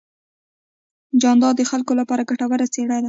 جانداد د خلکو لپاره ګټور څېرہ دی.